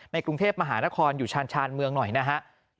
กรุงเทพมหานครอยู่ชาญชานเมืองหน่อยนะฮะ